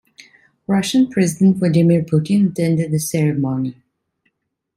Russian president Vladimir Putin attended the ceremony.